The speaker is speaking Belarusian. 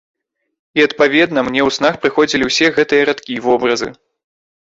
І адпаведна, мне ў снах прыходзілі ўсе гэтыя радкі, вобразы.